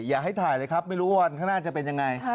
อย่าให้ถ่ายเลยครับไม่รู้ว่าน่าจะเป็นยังไง